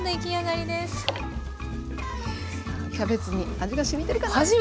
キャベツに味がしみてるかな？